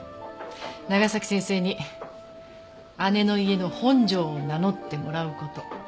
長崎先生に姉の家の「本庄」を名乗ってもらう事。